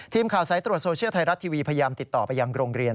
ทีมข่าวสายตรวจโซเชียลไทยรัฐทีวีพยายามติดต่อไปยังโรงเรียน